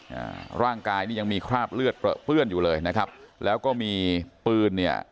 อ่าร่างกายนี่ยังมีคราบเลือดเปลือเปื้อนอยู่เลยนะครับแล้วก็มีปืนเนี่ย